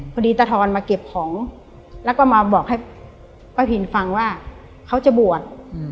ตาทอนมาเก็บของแล้วก็มาบอกให้ป้าพินฟังว่าเขาจะบวช